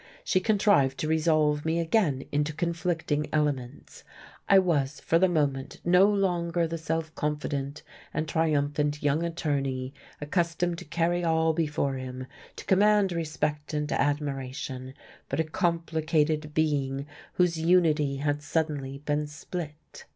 She contrived to resolve me again into conflicting elements. I was, for the moment, no longer the self confident and triumphant young attorney accustomed to carry all before him, to command respect and admiration, but a complicated being whose unity had suddenly been split.